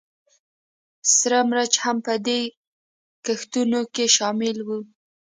سره مرچ هم په دې کښتونو کې شامل وو